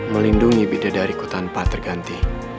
melindungi beda dariku tanpa terganti